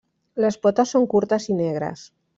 Les potes són curtes i negres.